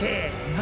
何？